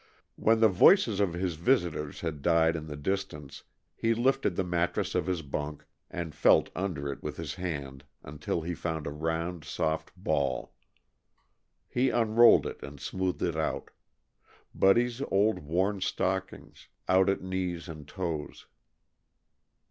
When the voices of his visitors had died in the distance he lifted the mattress of his bunk and felt under it with his hand until he found a round, soft ball. He unrolled it and smoothed it out Buddy's old, worn stockings, out at knees and toes.